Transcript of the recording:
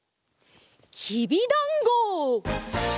きびだんご！